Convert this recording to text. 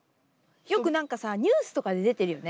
よく何かさニュースとかで出てるよね。